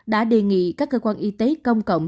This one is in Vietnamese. đã đề nghị các cơ quan y tế công cộng